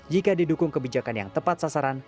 jika didukung kebijakan yang tepat sasaran